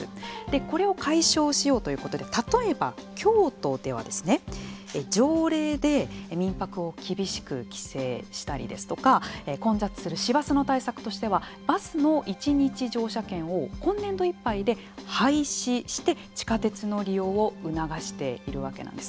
これを解消しようということで例えば、京都では条例で民泊を厳しく規制したりですとか混雑する市バスの対策としてはバスの一日乗車券を今年度いっぱいで廃止して地下鉄の利用を促しているわけなんです。